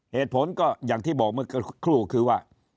เหตุผลก็อย่างที่บอกเมื่อสักครู่คือว่า